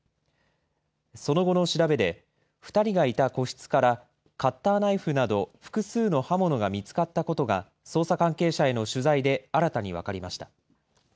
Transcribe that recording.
その後の調べで、２人がいた個室からカッターナイフなど、複数の刃物が見つかったことが、捜査関係者への取材で新たに分かりました。